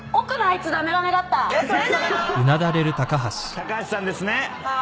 高橋さんですね。